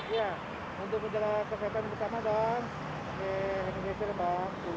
iya untuk menjaga kesehatan pertama dan oke hand sanitizer bang